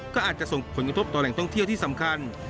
ก็อาจจะส่งผลกระทบต่อแหล่งท่องเที่ยวที่สำคัญ